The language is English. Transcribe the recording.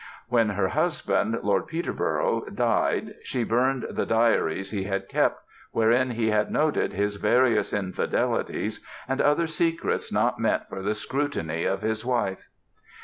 When her husband, Lord Peterborough, died she burned the diaries he had kept, wherein he had noted his various infidelities and other secrets not meant for the scrutiny of his wife.